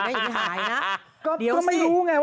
ก็ไม่รู้ไงว่ามันเกิดอะไรขึ้น